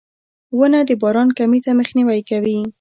• ونه د باران کمي ته مخنیوی کوي.